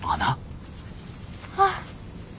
あっ。